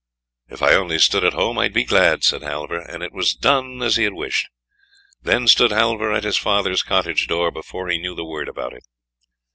"If I only stood at home I'd be glad," said Halvor; and it was done as he had wished. Then stood Halvor at his father's cottage door before he knew a word about it.